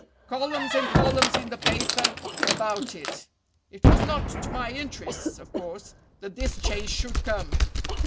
Columns and columns in the paper about it. It was not to my interests, of course, that this change should come.